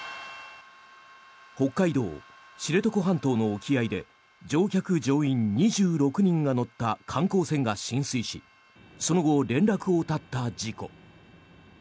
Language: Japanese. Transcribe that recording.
北海道・知床半島の沖合で乗客・乗員２６人が乗った観光船が浸水しその後、連絡を絶った事故。